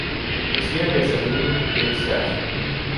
Pristina gets a new, big statue.